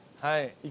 はい。